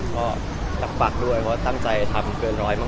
ก็ตักปักด้วยเพราะตั้งใจทำเกินร้อยมาก